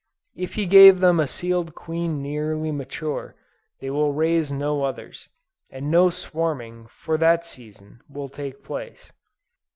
If he gave them a sealed queen nearly mature, they will raise no others, and no swarming, for that season, will take place.